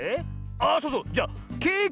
あそうそうじゃケーキ